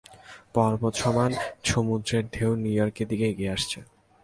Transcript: পর্বত সমান সমুদ্রের ঢেউ নিউইয়র্কের দিকে এগিয়ে আসছে!